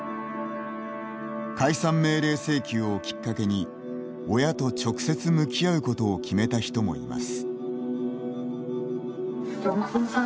解散命令請求をきっかけに親と直接、向き合うことを決めた人もいます。